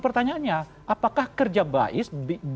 pertanyaannya apakah kerja bais